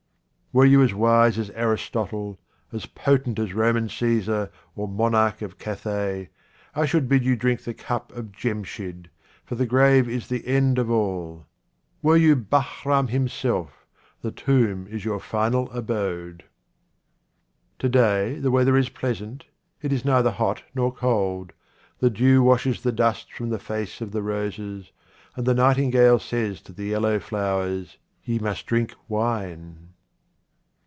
Were you as wise as Aristotle, as potent as Roman Caesar or monarch of Cathay, I should 3 QUATRAINS OF OMAR KHAYYAM bid you drink in the cup of Djemshid, for the grave is the end of all. Were you Bahrain himself, the tomb is your final abode. To day the weather is pleasant, it is neither hot nor cold. The dew washes the dust from the face of the roses, and the nightingale says to the yellow flowers, "Ye must drink wine."